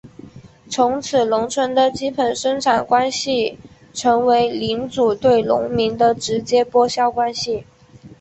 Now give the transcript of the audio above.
从此农村的基本生产关系成为领主对农民的直接剥削关系。